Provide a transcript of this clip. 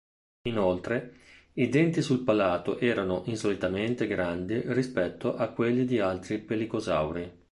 Inoltre, i denti sul palato erano insolitamente grandi rispetto a quelli di altri "pelicosauri".